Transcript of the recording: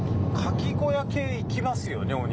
「カキ小屋系」行きますよね？